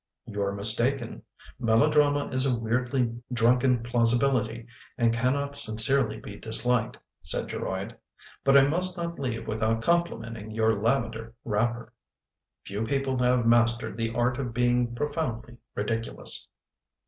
" You're mistaken. Melodrama is a weirdly drunken plausibility and can not sincerely be disliked," said Geroid. " But I must not leave without complimenting your lavender wrapper. Few people have mastered the art of being profoundly ridiculous."